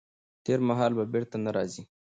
تېر مهال به بیرته نه راځي.